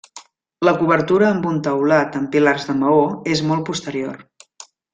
La cobertura amb un teulat amb pilars de maó és molt posterior.